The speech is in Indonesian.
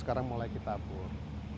sekarang mulai kita bur